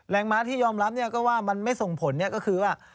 ม้าที่ยอมรับก็ว่ามันไม่ส่งผลก็คือว่า